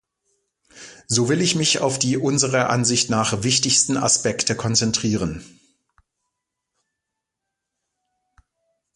So will ich mich auf die unserer Ansicht nach wichtigsten Aspekte konzentrieren.